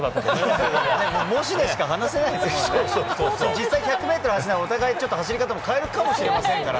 実際１００メートル走ったら、お互いちょっと走り方も変えるかもしれませんから。